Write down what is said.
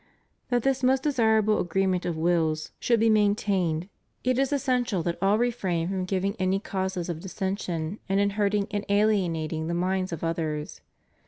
That this most desirable agreement of wills should be CHRISTIAN DEMOCRACY. 491 maintained, it is essential that all refrain from giving any causes of dissension in hurting and alienating the minds of others.